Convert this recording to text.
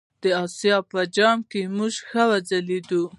د آسیا په جام کې موږ ښه وځلیدو.